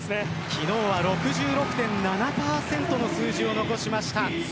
昨日は６６．７％の数字を残しました